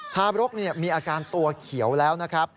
ทาบรกมีอาการตัวเขียวแล้วนะครับ